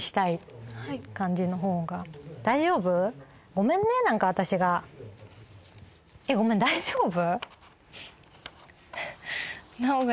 ごめんね何か私がえっごめん大丈夫？